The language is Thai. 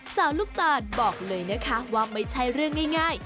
สาวลูกตาลบอกเลยนะคะว่าไม่ใช่เรื่องง่าย